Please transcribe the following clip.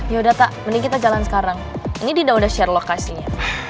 ya udah tak mending kita jalan sekarang ini dida udah share lokasinya